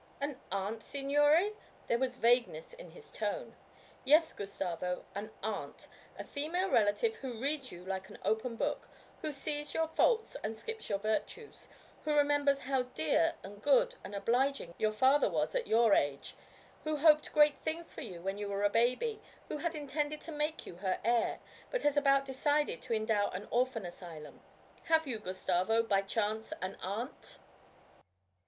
'An aunt, signore?' There was vagueness in his tone. 'Yes, Gustavo, an aunt. A female relative who reads you like an open book, who sees your faults and skips your virtues, who remembers how dear and good and obliging your father was at your age, who hoped great things of you when you were a baby, who had intended to make you her heir but has about decided to endow an orphan asylum have you, Gustavo, by chance an aunt?'